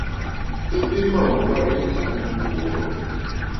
I pi mâ nkwer i njap nkure.